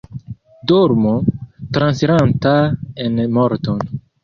Dormo, transiranta en morton.